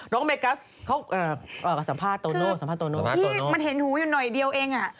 น้องเมกัสเขาสัมภาษณ์โตโน่สัมภาษณ์โตโน่สัมภาษณ์โตโน่พี่มันเห็นหูอยู่หน่อยเดียวเองอ่ะ